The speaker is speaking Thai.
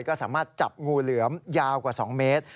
ก็สามารถจับงูเหลือมยาวกว่า๒เมตร